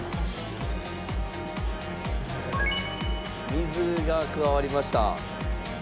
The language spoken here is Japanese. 水が加わりました。